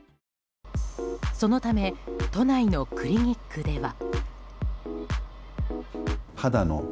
そのため都内のクリニックでは。